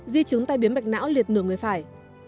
di chứng tai biến mạch não liệt nửa người phải